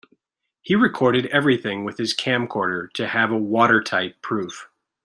He recorded everything with his camcorder to have a watertight proof.